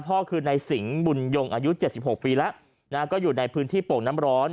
พ่อคือในสิงห์บุญยงอายุ๗๖ปีแล้วก็อยู่ในพื้นที่โป่งน้ำร้อน